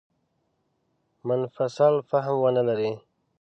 منفصل فهم ونه لري.